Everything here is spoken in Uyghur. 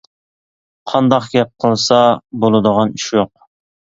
قانداق گەپ قىلسا بولىدىغان ئىش يوق.